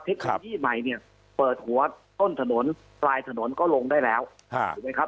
เทคโนโลยีใหม่เนี่ยเปิดหัวต้นถนนปลายถนนก็ลงได้แล้วถูกไหมครับ